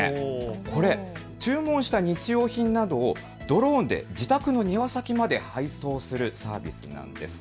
これ、注文した日用品などをドローンで自宅の庭先まで配送するサービスです。